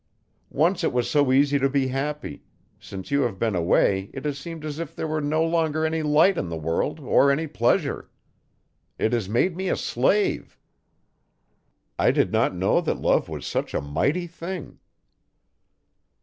Once it was so easy to be happy; since you have been away it has seemed as if there were no longer any light in the world or any pleasure. It has made me a slave. I did not know that love was such a mighty thing.